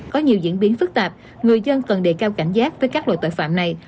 có nhiều diễn biến phức tạp người dân cần đề cao cảnh giác với các loại tội phạm này